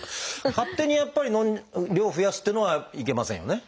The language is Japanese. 勝手にやっぱり量を増やすっていうのはいけませんよね？